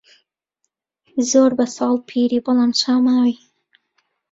زۆر بە ساڵ پیری بەڵام چا ماوی